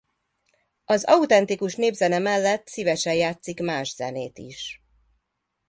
Az autentikus népzene mellett szívesen játszik más zenét is.